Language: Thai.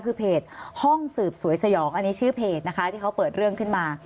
คือเพจห้องสืบสวยสยองอันนี้ชื่อเพจนะคะที่เขาเปิดเรื่องขึ้นมา